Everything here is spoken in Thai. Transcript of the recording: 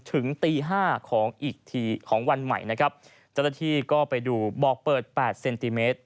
ถึงตีห้าของอีกทีของวันใหม่นะครับเจ้าหน้าที่ก็ไปดูบอกเปิดแปดเซนติเมตร